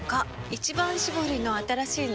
「一番搾り」の新しいの？